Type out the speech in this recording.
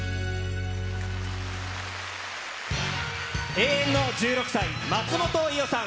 永遠の１６歳、松本伊代さん。